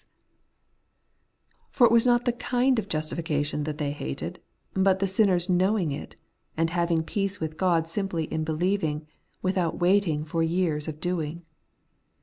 152 The Everlasting Righteousness, For it was not the kind of justification that they hated, but the sinner's knowing it, and having peace with God simply in believing, without waiting for years of doing.